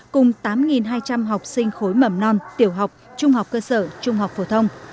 cùng tám hai trăm linh học sinh khối mẩm non tiểu học trung học cơ sở trung học phổ thông